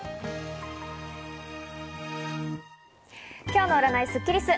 今日の占いスッキリす。